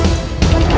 aduh kayak gitu